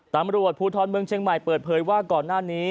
ตำรวจภูทรเมืองเชียงใหม่เปิดเผยว่าก่อนหน้านี้